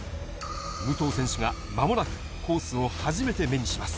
武藤選手がまもなく、コースを初めて目にします。